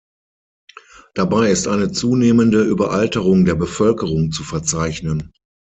Dabei ist eine zunehmende Überalterung der Bevölkerung zu verzeichnen.